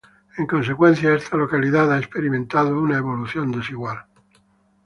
En consecuencia, esta localidad ha experimentado una evolución desigual.